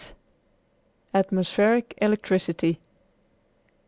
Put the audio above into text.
ATMOSPHERIC ELECTRICITY.